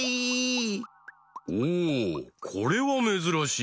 おおこれはめずらしい。